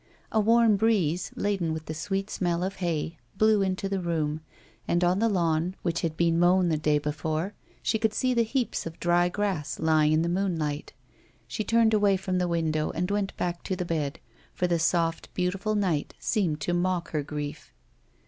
A warm breeze, laden with the sweet smell of the hay, blew into the room, and on the lawn, which had been mown the day before, she could see the heaps of dry grass lying in the moonlight. She turned away from the window and went back to the bed, for the soft, beautiful night seemed to mock her grief.